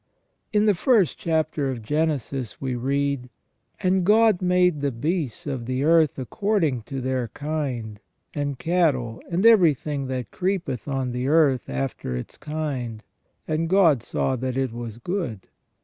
In the first chapter of Genesis we read :" And God made the beasts of the earth according to their kind, and cattle and every thing that creepeth on the earth, after its kind. And God saw that it was good.